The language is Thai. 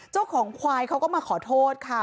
เจ้าของควายเขาก็มาขอโทษค่ะ